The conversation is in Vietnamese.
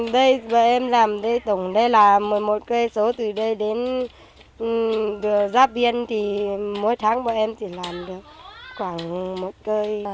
biên thì mỗi tháng bọn em chỉ làm được khoảng một cây